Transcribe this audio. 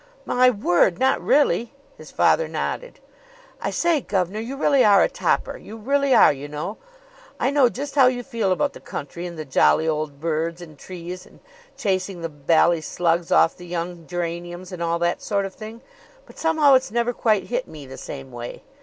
"My word! Not really?" His father nodded. "I say, gov'nor, you really are a topper! You really are, you know! I know just how you feel about the country and the jolly old birds and trees and chasing the bally slugs off the young geraniums and all that sort of thing, but somehow it's never quite hit me the same way.